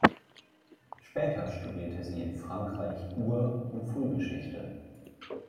Später studierte sie in Frankreich Ur- und Frühgeschichte.